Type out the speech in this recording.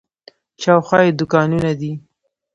شاوخوا یې دوکانونه دي.